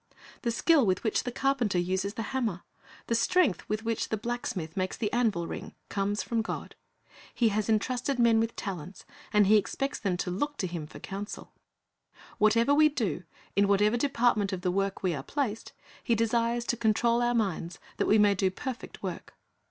The skill with which the carpenter uses the hammer, the strength with which the blacksmith makes the anvil ring, comes from God. He has entrusted men with talents, and He expects them to look to Him for counsel. Whatever we do, in whatever department of the work we are placed, He desires to control our minds, that we may do perfect work.